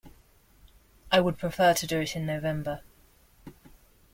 I would prefer to do it in November.